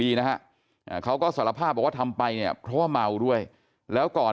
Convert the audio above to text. นะฮะเขาก็สารภาพบอกว่าทำไปเนี่ยเพราะว่าเมาด้วยแล้วก่อน